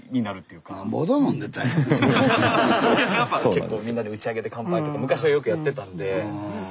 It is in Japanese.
結構みんなで打ち上げで乾杯とか昔はよくやってたんでそれやっぱね。